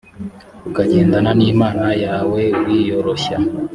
ukagendana n imana yawen wiyoroshya